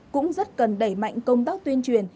cũng rất cần đẩy mạnh công tác tuyên truyền